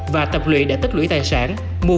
và tập luyện để tích lưỡi tài sản